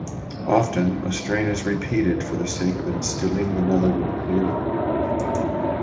Often, a strain is repeated for the sake of instilling the melody clearly.